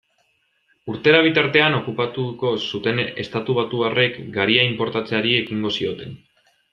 Urtera bitartean okupatuko zuten estatubatuarrek garia inportatzeari ekingo zioten.